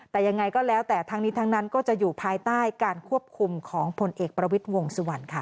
แต่ยังไงก็แล้วแต่ทั้งนี้ทั้งนั้นก็จะอยู่ภายใต้การควบคุมของผลเอกประวิทย์วงสุวรรณค่ะ